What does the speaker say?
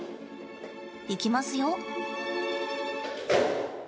いきますよ。